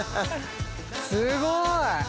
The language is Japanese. すごい！